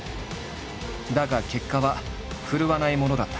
だが結果は振るわないものだった。